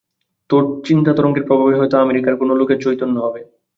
তোর চিন্তাতরঙ্গের প্রভাবে হয়তো আমেরিকার কোন লোকের চৈতন্য হবে।